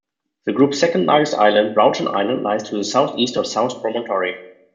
The group's second largest island, Broughton Island, lies to the southeast of South Promontory.